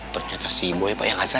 ternyata si boy pak yang azan